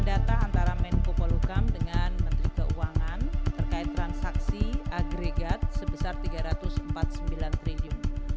data antara menko polukam dengan menteri keuangan terkait transaksi agregat sebesar rp tiga ratus empat puluh sembilan triliun